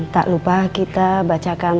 tak lupa kita bacakan